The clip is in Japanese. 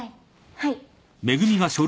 はい。